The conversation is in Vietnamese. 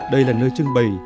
chúng tôi trưng bày